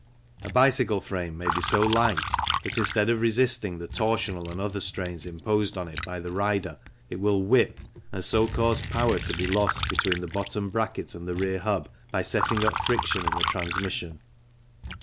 A bicycle frame may be so light that instead of resisting the torsional and other strains imposed on it by the rider it will " whip " and so cause power to be lost between the bottom bracket and the rear hub by setting up friction in the transmission.